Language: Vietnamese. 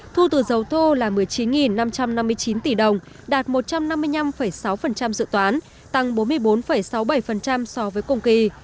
thu từ dầu thô là một mươi chín năm trăm năm mươi chín tỷ đồng đạt một trăm năm mươi năm sáu dự toán tăng bốn mươi bốn sáu mươi bảy so với cùng kỳ